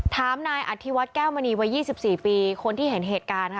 ถามนายอธิวัฒน์แก้วมณีวัย๒๔ปีคนที่เห็นเหตุการณ์ค่ะ